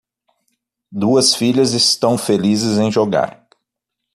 Duas filhas estão felizes em jogar